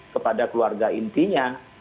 kepada keluarga intinya